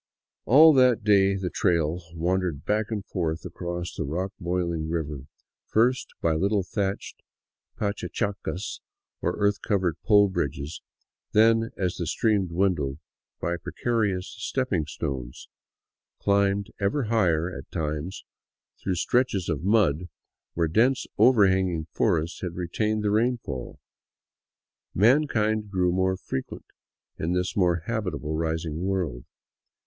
" All that day the trail, wandering back and forth across the rock boiling " river," first by little thatched pachachacas, or earth covered pole bridges, then, as the stream dwindled, by precarious stepping stones, climbed ever higher, at times through stretches of mud where dense overhanging forests had retained the rainfall. Mankind grew more frequent in this more habitable, rising world.